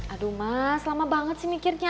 aduh mas lama banget sih mikirnya